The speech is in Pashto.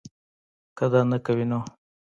کۀ دا نۀ کوي نو